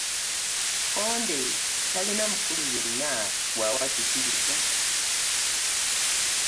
Kkonde talina mukulu yenna gw'awa kitiibwa.